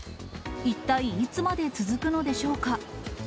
一体、いつまで続くのでしょうか。